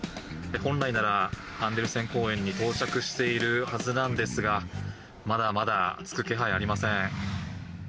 本来ならアンデルセン公園に到着しているはずなんですがまだまだ着く気配ありません。